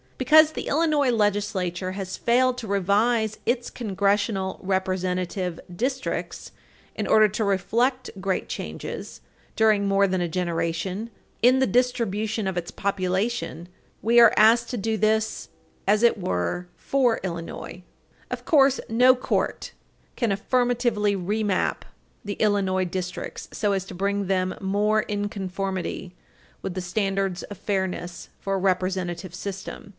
Because the Illinois legislature has failed to revise its Congressional Representative districts in order to reflect great changes, during more than a generation, in the distribution of its population, we are asked to do this, as it were, for Illinois. Page 328 U. S. 553 Of course, no court can affirmatively re map the Illinois districts so as to bring them more in conformity with the standards of fairness for a representative system.